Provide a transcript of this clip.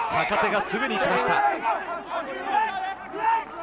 坂手がすぐにきました。